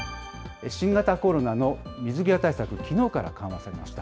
新型コロナの水際対策、きのうから緩和されました。